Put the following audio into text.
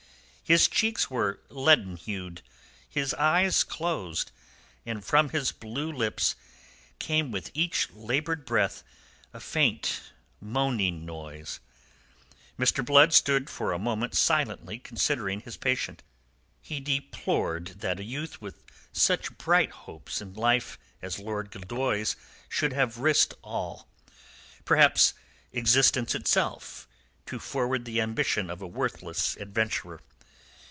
His cheeks were leaden hued, his eyes closed, and from his blue lips came with each laboured breath a faint, moaning noise. Mr. Blood stood for a moment silently considering his patient. He deplored that a youth with such bright hopes in life as Lord Gildoy's should have risked all, perhaps existence itself, to forward the ambition of a worthless adventurer.